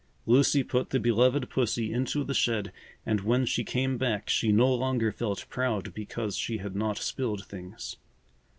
Lucy put the beloved pussy into the shed and when she came back she no longer felt proud because she had not spilled things.